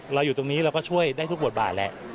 เราอยู่ตรงนี้เราก็ช่วยได้ทุกบทบาทแหละ